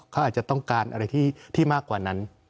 เขาอาจจะต้องการอะไรที่มากกว่านั้น